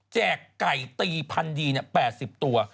แจกไก่ตีพัณฑ์ดีเนี่ย๘๐ตัว